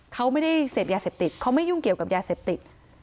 เขาไม่ได้เสพยาเสพติดเขาไม่ยุ่งเกี่ยวกับยาเสพติด